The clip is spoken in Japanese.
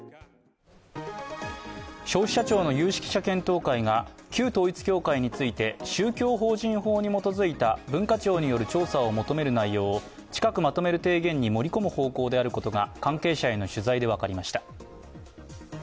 消費者庁の有識者検討会が旧統一教会について宗教法人法に基づいた文化庁による調査を求める内容を近くまとめる提言に盛り込む方向であることが関係者への取材で分かりました。